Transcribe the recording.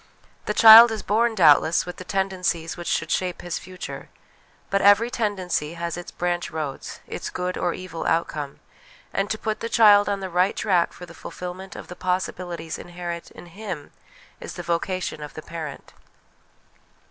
The child is born, doubtless, with the tendencies which should shape his future ; but every tendency has its branch roads, its good or evil out come ; and to put the child on the right track for the fulfilment of the possibilities inherent in him, is the vocation of the parent.